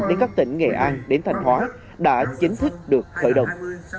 đến các tỉnh nghệ an đến thành hóa đã chính thức được khởi động